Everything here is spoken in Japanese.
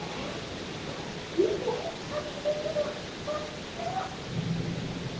あみてあっちのくもまっくろ。